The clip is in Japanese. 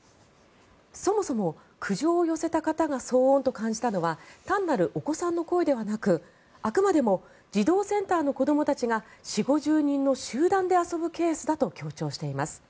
そもそも、苦情を寄せた方が騒音と感じたのは単なるお子さんの声ではなくあくまでも児童センターの子どもたちが４０５０人の集団で遊ぶケースだと強調しています。